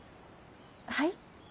はい？